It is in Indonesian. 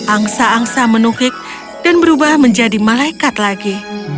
angsa angsa menuhik dan berubah menjadi malaikat lagi